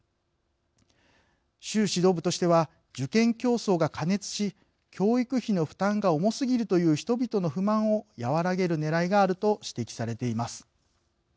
習指導部としては受験競争が過熱し教育費の負担が重すぎるという人々の不満を和らげるねらいがあると指摘されています。